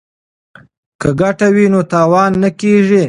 که ګټه وي نو تاوان نه کیږي.